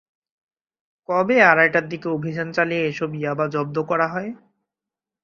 কবে আড়াইটার দিকে অভিযান চালিয়ে এসব ইয়াবা জব্দ করা হয়?